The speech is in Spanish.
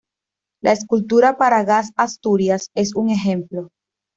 La escultura para Gas Asturias es un ejemplo.